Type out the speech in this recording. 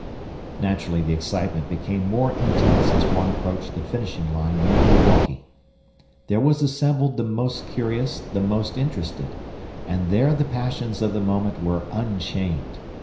Naturally the excitement became more intense as one approached the finishing line near Milwaukee. There were assembled the most curious, the most interested; and there the passions of the moment were unchained.